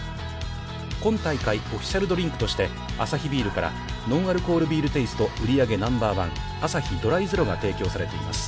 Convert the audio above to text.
今大会、オフィシャルドリンクとして、アサヒビールからノンアルコールビールテイスト売上ＮＯ．１のアサヒドライゼロが提供されています。